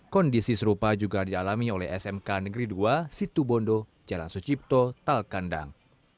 kondisi serupa juga dialami oleh smk negeri dua situbondo jalan sucipto talkandang